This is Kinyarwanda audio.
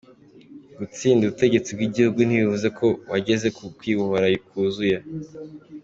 Gutsinda ubutegetsi bw’igitugu ntibivuze ko wageze ku kwibohora kuzuye.